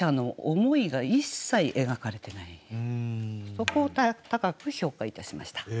そこを高く評価いたしました。